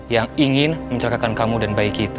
yang ingin mencelakakan kamu dan bayi kita